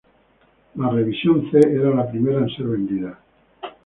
La Revisión C era la primera en ser vendida.